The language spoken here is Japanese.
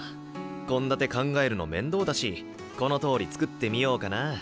献立考えるの面倒だしこのとおり作ってみようかな。